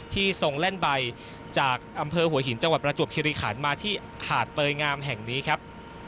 ทรงแล่นใบจากอำเภอหัวหินจังหวัดประจวบคิริขันมาที่หาดเตยงามแห่งนี้ครับ